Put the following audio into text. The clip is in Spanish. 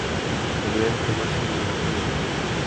La rivalidad entre Máximo y El Texano Jr.